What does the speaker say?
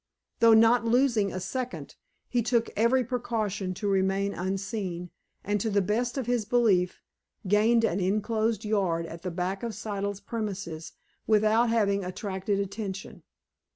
Though not losing a second, he took every precaution to remain unseen, and, to the best of his belief, gained an inclosed yard at the back of Siddle's premises without having attracted attention.